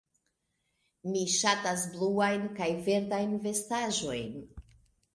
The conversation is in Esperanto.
Mi ŝatas bluajn kaj verdajn vestaĵojn.